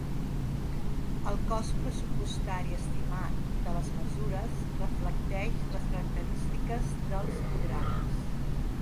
El cost pressupostari estimat de les mesures reflecteix les característiques dels programes.